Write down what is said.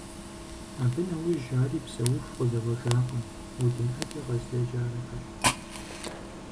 Абы нэужь ари псэуху къызэуэжакъым, удын Ӏэджэ къэзлэжьарэ пэт.